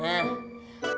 udah nih mak